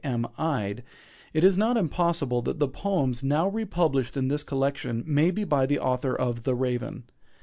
M. Ide," it is not impossible that the poems now republished in this collection may be by the author of "The Raven."